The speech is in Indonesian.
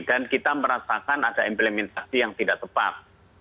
dan kita merasakan ada implementasi yang tidak tepat